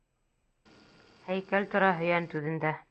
Һәйкәл тора Һөйәнтүҙендә...